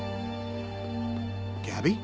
ギャビー。